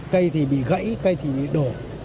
cây thì bị gãy cây thì bị đổ